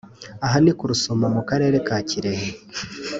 Aha ni ku Rusumo mu Karere ka Kirehe